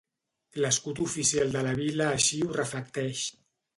L’escut oficial de la vila així ho reflecteix.